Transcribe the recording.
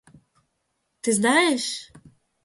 Ты знаешь?